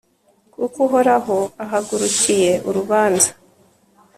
kuko uhoraho ahagurukiye urubanza